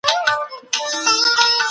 د مثبت فکر قانون خوشحالۍ راولي.